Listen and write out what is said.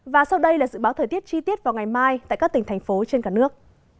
và sau đây là dự báo thời tiết chi tiết vào ngày mai tại các tỉnh thành phố trên cả nước